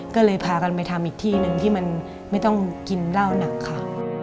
ก็เลยพากันไปทำอีกที่หนึ่งที่มันไม่ต้องกินเหล้าหนักค่ะ